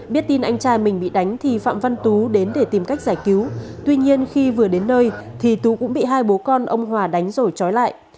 biết tin anh trai mình bị đánh thì phạm văn tú đến để tìm cách giải cứu tuy nhiên khi vừa đến nơi thì tú cũng bị hai bố con ông hòa đánh rồi trói lại